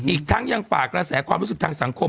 อีกทั้งยังฝากกระแสความรู้สึกทางสังคม